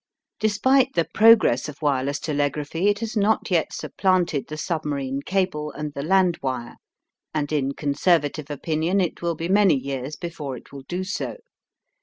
Despite the progress of wireless telegraphy it has not yet supplanted the submarine cable and the land wire, and in conservative opinion it will be many years before it will do so.